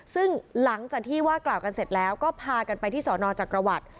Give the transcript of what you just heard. ซึ่งหลังจากที่ว่ากล่าวกันเสร็จแล้วก็พากันไปที่สอนอจักรวรรดิ